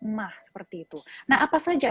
emah seperti itu nah apa saja